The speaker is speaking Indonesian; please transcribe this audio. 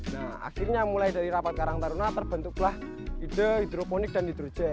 nah akhirnya mulai dari rapat karang taruna terbentuklah ide hidroponik dan hidrojek